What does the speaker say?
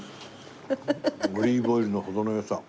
オリーブオイルの程の良さ。